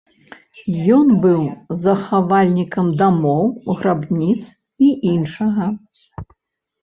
Ён быў захавальнікам дамоў, грабніц і іншага.